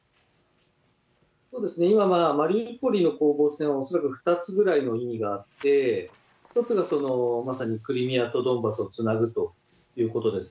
今、マリウポリの攻防戦は恐らく２つぐらいの意味があって、１つがまさにクリミアとドンバスをつなぐということです。